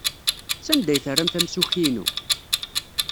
Sanda ay terramt amsukki-inu?